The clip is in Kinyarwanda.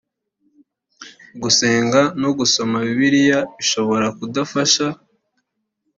gusenga no gusoma bibiliya bishobora kudufasha